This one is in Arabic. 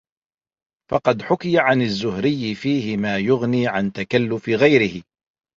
فَقَدْ حُكِيَ عَنْ الزُّهْرِيِّ فِيهِ مَا يُغْنِي عَنْ تَكَلُّفِ غَيْرِهِ